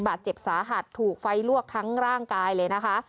บาดเจ็บสาหัสถูกไฟลวกทั้งร่างกายเลยนะคะ